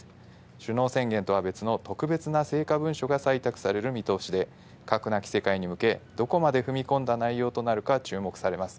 首脳宣言とは別の特別な成果文書が採択される見通しで、核なき世界に向け、どこまで踏み込んだ内容となるか注目されます。